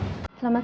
sampai jumpa lagi